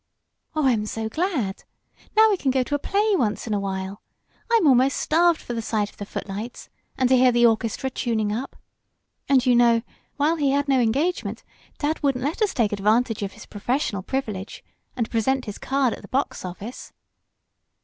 "Oh, I'm so glad. Now we can go to a play once in a while I'm almost starved for the sight of the footlights, and to hear the orchestra tuning up. And you know, while he had no engagement dad wouldn't let us take advantage of his professional privilege, and present his card at the box office."